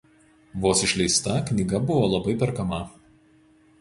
Vos išleista knyga buvo labai perkama.